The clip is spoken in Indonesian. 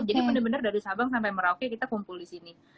jadi benar benar dari sabang sampai merauke kita kumpul di sini